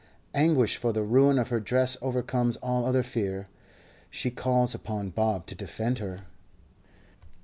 Anguish for the ruin of her dress overcomes all other fear; she calls upon Bob to defend her.